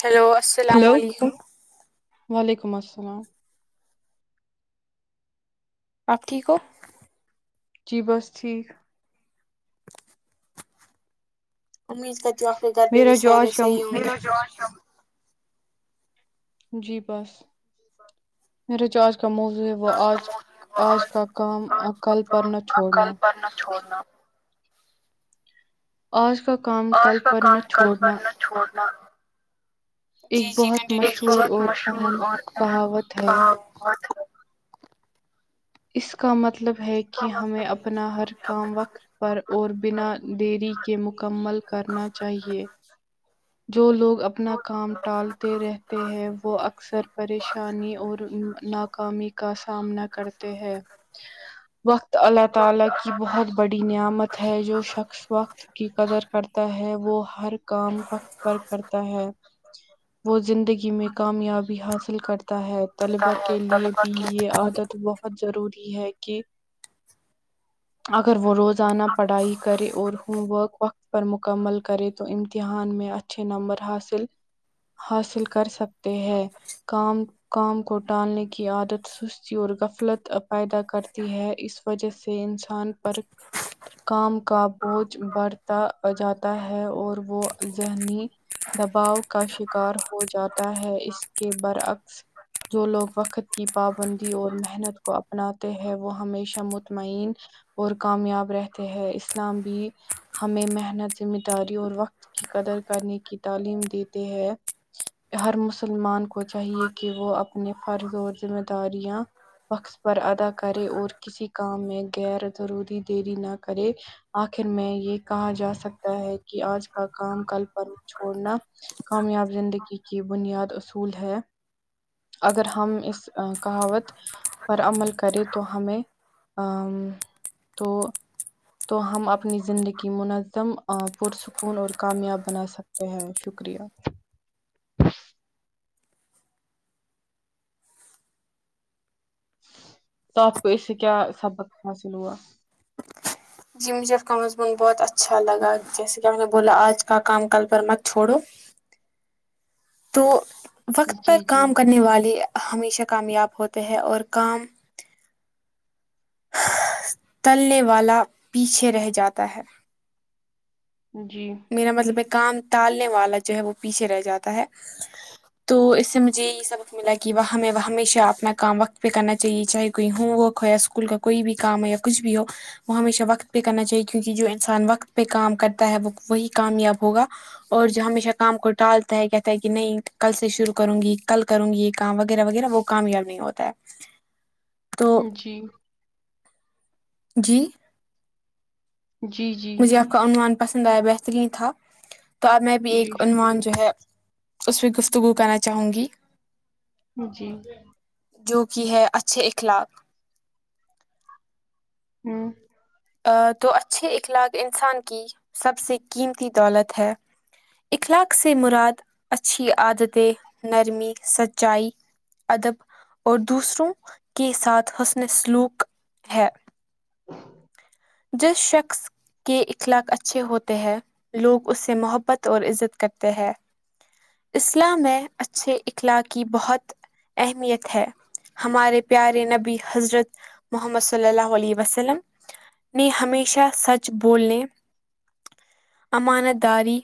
hello السلام hello علیکم وعلیکم السلام آپ ٹھیک ہو جی بس ٹھیک امید کرتی ہوں آپ کے گھر پہ بھی میرا جو سارے آج کا صحیح ہوں گے جی بس [inaudible] میرے جو آج کا موضوع ہے وہ آج آج کا کام کل پر نہ چھوڑنا آج کا کام آج کل کا پر کام نہ کل پر چھوڑنا نہ چھوڑنا جی ایک جی بہت کنٹینیو کیجئے ایک مشہور بہت اور مشہور اہم اور اہم کہاوت ہے کہاوت ہے اس کا مطلب ہے کہ ہمیں اپنا ہر کام وقت پر اور بنا دیری کے مکمل کرنا چاہیے جو لوگ اپنا کام ٹالتے رہتے ہیں وہ اکثر پریشانی اور نا ناکامی کا سامنا کرتے ہیں وقت اللہ تعالی کی بہت بڑی نعمت ہے جو شخص وقت کی قدر کرتا ہے وہ ہر کام وقت پر کرتا ہے وہ زندگی میں کامیابی حاصل کرتا ہے طلباء کے لیے بھی یہ عادت بہت بہت ضروری ہے کہ اگر وہ روزانہ پڑھائی کرے اور ہوم ورک وقت پر مکمل کرے تو امتحان میں اچھے نمبر حاصل حاصل کر سکتے ہیں کام کام کو ٹالنے کی عادت سستی اور غفلت پیدا کرتی ہے اس وجہ سے انسان پر کام کا بوجھ برت تا جاتا ہے اور وہ ذہنی دباؤ کا شکار ہو جاتا ہے اس کے برعکس جو لوگ وقت کی پابندی اور محنت کو اپناتے ہیں وہ ہمیشہ مطمئن اور کامیاب رہتے ہیں اسلام بھی ہمیں محنت ذمہ داری اور وقت کی قدر کرنے کی تعلیم دیتے ہیں ہر مسلمان کو چاہیے کہ وہ اپنے فرض اور ذمہ داریاں وقت پر ادا کرے اور کسی کام میں غیر ضروری دیری نہ کرے آخر میں یہ کہا جا سکتا ہے کہ آج کا کام کل پر نہ چھوڑنا کامیاب زندگی کی بنیاد اصول ہے اگر ہم اس کہاوت پر عمل کرے تو ہمیں آم تو تو ہم اپنی زندگی منظم پرسکون اور کامیاب بنا سکتے ہیں شکریہ تو آپ کو اس سے کیا سبق حاصل ہوا جی مجھے آپ کا مضمون بہت اچھا لگا جیسے کہ آپ نے بولا آج کا کام کل پر مت چھوڑو تو وقت جی پر جی کام کرنے والے ہمیشہ کامیاب ہوتے ہیں اور کام تلنے والا پیچھے رہ جاتا ہے جی میرا مطلب کام ٹالنے والا جو ہے وہ پیچھے رہ جاتا ہے تو اس سے مجھے یہ سبق ملا کہ وہ ہمیں ہمیشہ اپنا کام وقت پہ کرنا چاہیے چاہے کوئی ہوم ورک ہو یا اسکول کا کوئی بھی کام ہو یا کچھ بھی ہو وہ ہمیشہ وقت پہ کرنا چاہیے کیونکہ جو انسان وقت پہ کام کرتا ہے وہ وہی کامیاب ہوگا اور جو ہمیشہ کام کو ٹالتا ہے کہتا ہے کہ نہیں کل سے شروع کروں گی کل کروں گی یہ کام وغیرہ وغیرہ وہ کامیاب نہیں ہوتا ہے تو جی جی جی جی مجھے آپ کا عنوان پسند آیا بہترین تھا تو اب میں بھی جی ایک عنوان جو شکریہ ہے اس میں گفتگو کرنا چاہوں گی جی جو کی ہے اچھے اخلاق ہوں تو اچھے اخلاق انسان کی سب سے قیمتی دولت ہے اخلاق سے مراد اچھی عادتیں نرمی سچائی ادب اور دوسروں کے ساتھ حسن سلوک ہے [inaudible] جس شخص کے اخلاق اچھے ہوتے ہیں لوگ اس سے محبت اور عزت کرتے ہیں اسلام میں اچھے اخلاق کی بہت اہمیت ہے ہمارے پیارے نبی حضرت محمد صلی اللہ علیہ وسلم نے ہمیشہ سچ بولنے امانت داری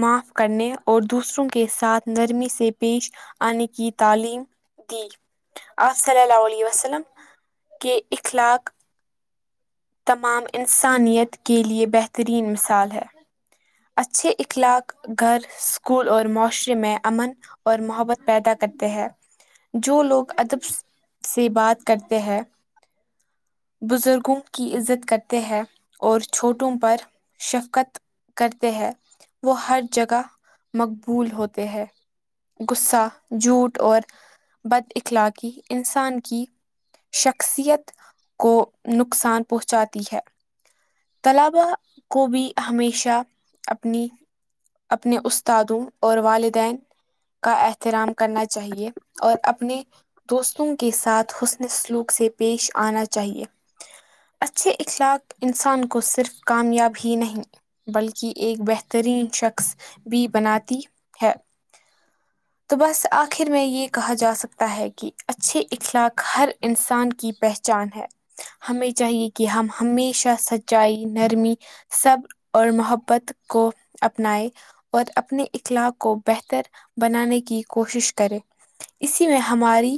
معاف کرنے اور دوسروں کے ساتھ نرمی سے پیش آنے کی تعلیم دی آپ صلی اللہ علیہ وسلم کے اخلاق تمام انسانیت کے لیے بہترین مثال ہیں اچھے اخلاق گھر اسکول اور معاشرے میں امن اور محبت پیدا کرتے ہیں جو لوگ ادب سے بات کرتے ہیں بزرگوں کی عزت کرتے ہیں اور چھوٹوں پر شفقت کرتے ہیں وہ ہر جگہ مقبول ہوتے ہیں غصہ جھوٹ اور بد اخلاقی انسان کی شخصیت کو نقصان پہنچاتی ہے طلبہ کو بھی ہمیشہ اپنی اپنے استادوں اور والدین کا احترام کرنا چاہیے اور اپنے دوستوں کے ساتھ حسن سلوک سے پیش آنا چاہیے [inaudible] اچھے اخلاق انسان کو صرف کامیاب ہی نہیں بلکہ ایک بہترین شخص بھی بناتی ہیں تو بس آخر میں یہ کہا جا سکتا ہے کہ اچھے اخلاق ہر انسان کی پہچ چان ہے ہمیں چاہیے کہ ہم ہمیشہ سچائی نرمی سب اور محبت کو اپنائے اور اپنے اخلاق کو بہتر بنانے کی کوشش کرے اسی میں ہماری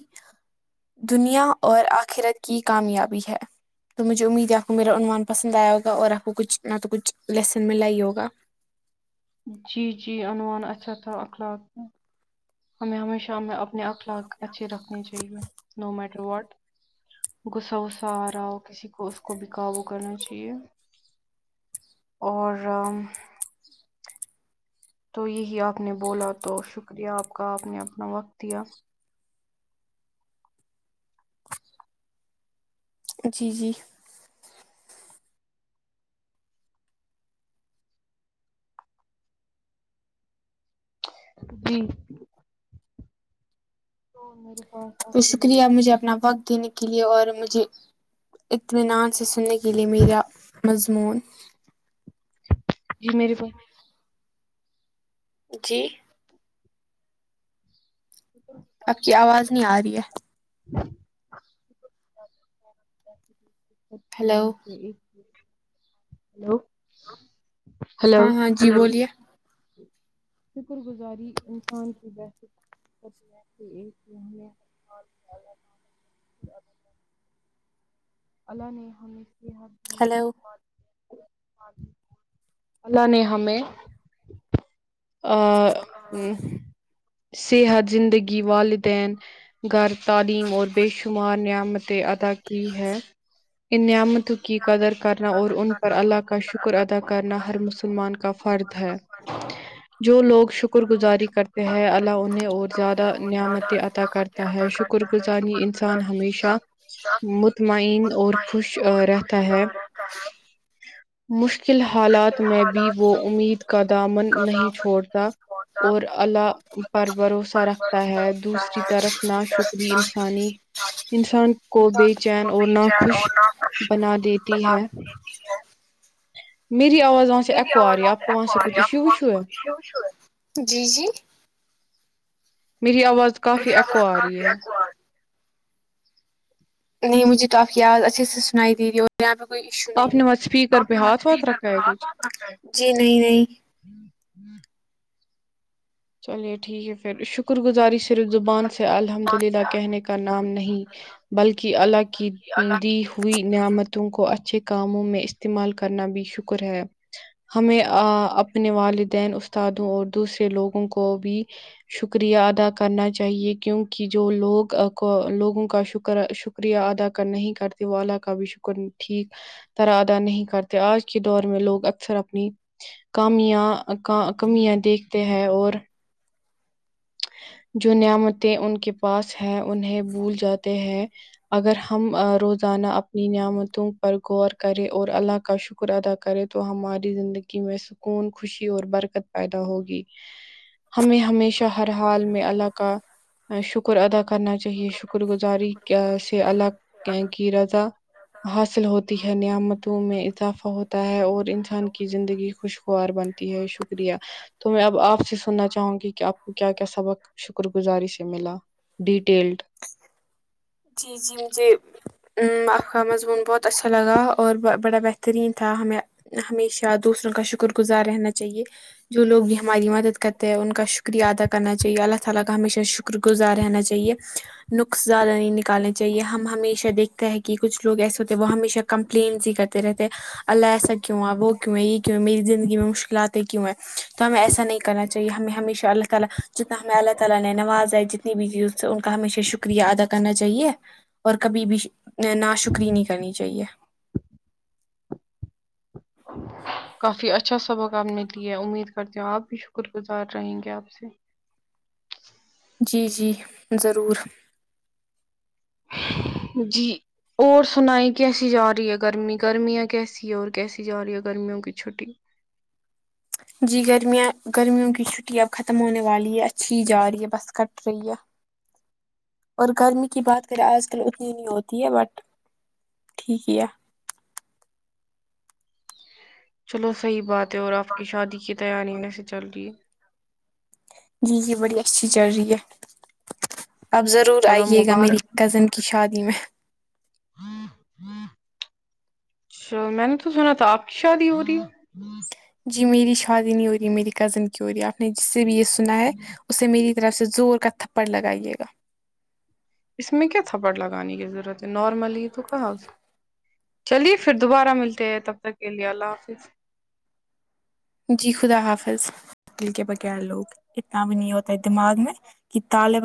دنیا اور آخرت کی کامیابی ہیں تو مجھے امید ہے آپ کو میرا عنوان پسند آیا ہوگا اور آپ کو کچھ نہ تو کچھ لیسن ملا ہی ہوگا جی جی عنوان اچھا تھا اخلاق کا ہمیں ہمیشہ اپنے اخلاق اخلاق اچھے رکھنے چاہیے نو میٹر واٹ غصہ وصہ آ رہا ہو کسی کو اس کو بھی کابو کرنا چاہیے اور تو یہی آپ نے بولا تو شکریہ آپ کا آپ نے اپنا وقت دیا جی جی جی تو میرے پاس تو آپ کے لیے شکریہ مجھے اپنا وقت دینے کے لیے اور مجھے اطمنان سے سننے کے لیے میرا مضمون جی میری بات جی اب کی آواز نہیں آ ر رہی ہے [unintelligible] ہیلو سے ایک ہیلو ہیلو ہاں ہاں جی بولیے شکر گزاری انسان کی بث اللہ نے ہمیں صحت ہیلو اللہ نے ہمیں صحت زندگی والدین گھر تعلیم اور بے شمار نعمتیں ادا کی ہے ان نعمت کی قدر کرنا اور ان پر اللہ کا شکر ادا کرنا ہر مسلمان کا فرد ہے [unintelligible] جو لوگ شکر گزاری کرتے ہیں اللہ انہیں اور زیادہ نعمتیں عطا کر تا ہے شکر گزاری انسان ہمیشہ [inaudible] مطمئن اور خوش رہتا ہے مشکل حالات میں بھی وہ امید کا دامن نہیں چھوڑتا اور اللہ پر بھروسہ رکھتا ہے دوسری طرف نہ شکری انسانی انسان کو بے چین اور نہ خوش بنا دیتی ہے میری آواز وہاں سے میری ایکو آ آواز رہی ہے آپ آرہی کو وہاں سے کچھ ہے ایشو اپکو آرہی وشو ہے ہے جی جی میری آواز کافی ایککو آ رہی ہے نہیں مجھے تو آل آپکی آواز اچھے سے سنائی دے رہی ہو یہاں پہ کوئی ایشو آپ نہیں نے ہے مت اسپیکر پہ ہاتھ واتھ رکھا ہے کچھ نہیں نہیں [unintelligible] چلیے ٹھیک ہے پھر شکر گزاری صرف زبان سے الحمد للہ کہنے کا نام نہیں بلکہ اللہ کی دی ہوئی نعمتوں کو اچھے کاموں میں استعمال کرنا بھی شکر ہے ہمیں اپنے والدین استادوں اور دوسرے لوگوں کو بھی شکریہ ادا کرنا چاہیے کیونکہ جو لوگ کو لوگوں کا شکر شکر شکریہ ادا کر نہیں کرتی وہ اللہ کا بھی شکر ٹھیک طرح ادا نہیں کرتے آج کے دور میں لوگ اکثر اپنی کامیاں کمیاں دیکھتے ہیں اور جو نعمتیں ان کے پاس ہے انہیں بھول جاتے ہیں اگر ہم روزانہ اپنی نعمتوں پر غور کریں اور اللہ کا شکر کر ادا کرے تو ہماری زندگی میں سکون خوشی اور برکت پیدا ہوگی ہمیں ہمیشہ ہر حال میں اللہ کا شکر ادا کرنا چاہیے شکر گزاری کیا سے الگ کی رضا حاصل ہو ہوتی ہے نعمتوں میں اضافہ ہوتا ہے اور انسان کی زندگی خوشگوار بنتی ہے شکریہ تو میں اب آپ سے سننا چاہوں گی کہ آپ کیا کیا سبق شکر گزاری سے ملا ڈیٹیلڈ جی جی مجھے ا آپ کا مضمون بہت اچھا لگا اور بڑا بہترین تھا ہمیں ہمیشہ دوسروں کا شکرگزار رہنا چاہیے جو لوگ بھی ہماری مدد کرتے ہیں ان کا شکر شکریہ ادا کرنا چاہیے اللہ تعالی کا ہمیشہ شکر گزار رہنا چاہیے نقص زیادہ نہیں نکالنے چاہیے ہم ہمیشہ دیکھتے ہے کہ کہ کچھ لوگ ایسے ہوتے وہ ہمیشہ کمپلینس ہی کرتے رہتے ہیں اللہ ایسا کیوں ہے وہ کیوں ہے یہ کیوں ہے میری زندگی میں مشکلاتیں کیوں ہے تو ہمیں ایسا نہیں کرنا چاہیے ہمیں ہمیشہ اللہ تعالی جتنا ہمیں اللہ تعالی نے نواز ہے جتنی بھی چیز سے ان کا ہمیشہ شکریہ ادا کرنا چاہیے اور کبھی بھی نا شکری نہیں کرنی چاہیے کافی اچھا سبق آپ نے کیا امید کرتی ہوں آپ بھی شکر گزار رہیں گے آپ سے جی جی ضرور جی اور سنائی کیسی جا رہی ہے گرمی گرمیاں کیسی ہے اور کیسی جا رہی ہے گرمیوں کی چھٹی جی گرمیاں گرمیوں کی چھٹی اب ختم ہونے والی یہ اچھی جا رہی ہے بس کٹ کھلیا اور گرمی کی بات کریں آج کل اتنی نہیں ہوتی ہے بٹ ٹھیک کیا چلو صحیح بات ہے اور آپ کی شادی کی تیاری میں سے چل رہی ہے جی جی بڑی اچھی چل رہی ہے آپ ضرور چلو آئیے گا میری مبارک کزن کی شادی میں چ میں نے تو سنا تھا آپ کی شادی ہو رہی ہے جی میری شادی نہیں ہو رہی میری کزن کی ہو رہی ہے آپ نے جس سے بھی یہ سنا ہے اسے میری طرف سے زور کا تھپڑ لگائیے گا اس میں کیا تھپڑ لگانے کی ضرورت ہے نارملی ہی تو کہا چلیے پھر دوبارہ ملتے ہیں تب تک کے لیے اللہ حافظ جی خدا حافظ کل کے بغیر لوگ اتنا بھی نہیں ہوتے ہے دماغ میں کہ تالب